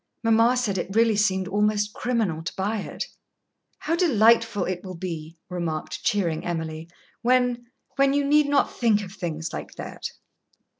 Mamma said it really seemed almost criminal to buy it." "How delightful it will be," remarked cheering Emily, "when when you need not think of things like that!"